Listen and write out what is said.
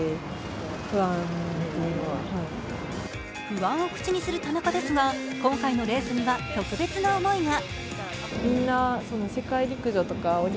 不安を口にする田中ですが、今回のレースには特別な思いが。